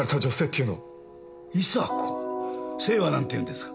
姓はなんていうんですか？